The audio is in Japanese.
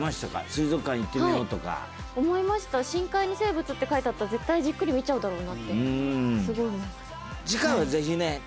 水族館行ってみようとか思いました深海の生物って書いてあったら絶対じっくり見ちゃうだろうなってうん次回はぜひねすごい思います